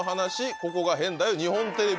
「ここが変だよ日本テレビ」